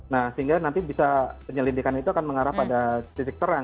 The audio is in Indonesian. nah sehingga nanti bisa penyelidikan itu akan mengarah pada titik terang